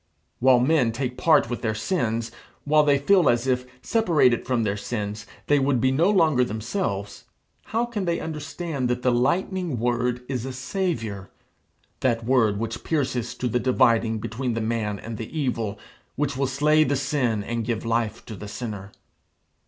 While men take part with their sins, while they feel as if, separated from their sins, they would be no longer themselves, how can they understand that the lightning word is a Saviour that word which pierces to the dividing between the man and the evil, which will slay the sin and give life to the sinner?